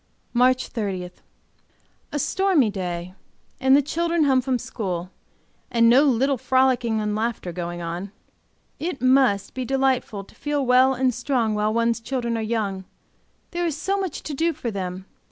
MARCH 30. A stormy day and the children home from school, and no little frolicking and laughing going on. It must, be delightful to feel well and strong while one's children are young, there is so much to do for them.